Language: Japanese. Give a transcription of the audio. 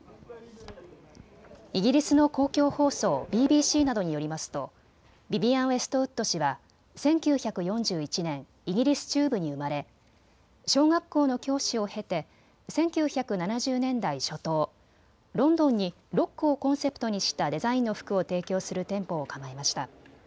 イギリスの公共放送ＢＢＣなどによりますとヴィヴィアン・ウエストウッド氏は１９４１年、イギリス中部に生まれ小学校の教師を経て１９７０年代初頭、ロンドンにロックをコンセプトにしたデザインの服を提供する店舗を構えました。